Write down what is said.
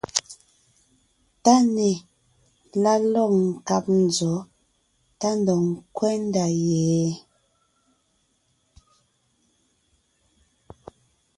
TÁNÈ la lɔ̂g nkáb nzɔ̌ tá ndɔg ńkwɛ́ ndá ye?